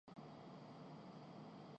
سونے کی قیمتوں میں ایک بار پھر ہوشربا اضافہ